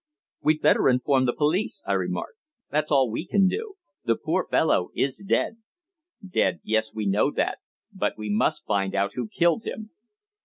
"We'd better inform the police," I remarked. "That's all we can do. The poor fellow is dead." "Dead! Yes, we know that. But we must find out who killed him."